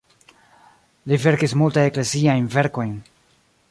Li verkis multajn ekleziajn verkojn.